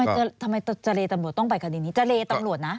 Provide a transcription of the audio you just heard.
ทำไมเจรตำรวจต้องไปคดีนี้เจรตำรวจนะ